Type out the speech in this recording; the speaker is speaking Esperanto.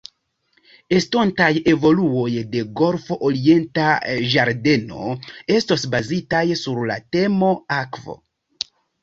Estontaj evoluoj de Golfo Orienta Ĝardeno estos bazitaj sur la temo 'akvo'.